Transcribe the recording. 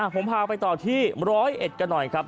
ผมพาไปต่อที่ร้อยเอ็ดกันหน่อยครับ